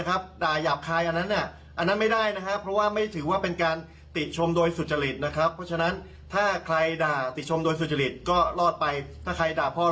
อายามตาสามสองเก้านะครับ